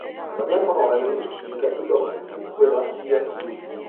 Wanyama wanaishi katika ufukwe wa ziwa hili